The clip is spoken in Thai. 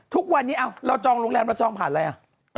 ทุกวันนี้เราจองโรงแรมเราจองผ่านอะไรอ่ะ